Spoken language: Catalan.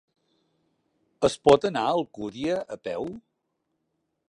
Es pot anar a Alcúdia a peu?